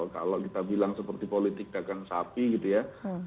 kalau kita bilang seperti politik dagang sapi gitu ya